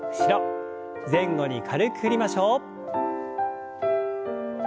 前後に軽く振りましょう。